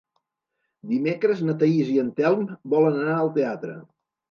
Dimecres na Thaís i en Telm volen anar al teatre.